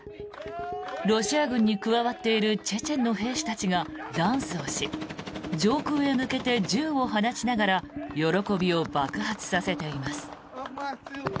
ロシア軍に加わっているチェチェンの兵士たちがダンスをし上空へ向けて銃を放ちながら喜びを爆発させています。